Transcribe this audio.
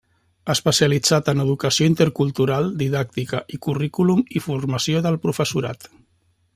Especialitzat en educació intercultural, didàctica i currículum i formació del professorat.